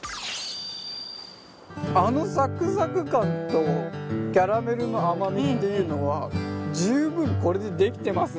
あのサクサク感とキャラメルの甘みっていうのは十分これで出来てますね。